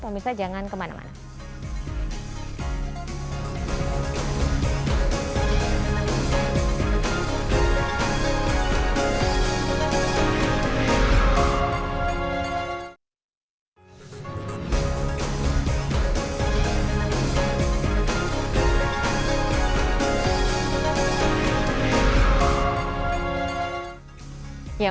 pemirsa jangan kemana mana